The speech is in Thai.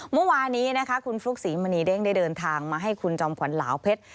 เมื่อวานี้นะคะคุณฟลุ๊กศรีมณีเด้งได้เดินทางมาให้คุณจอมขวัญเหลาเพชร